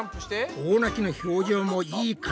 大泣きの表情もいい感じ。